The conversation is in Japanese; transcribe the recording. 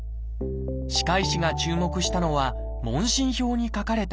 歯科医師が注目したのは問診票に書かれた病名でした。